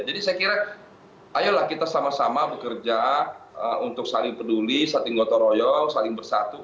jadi saya kira ayolah kita sama sama bekerja untuk saling peduli saling ngotoroyong saling berhati hati